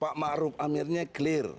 pak ma'ruf amirnya clear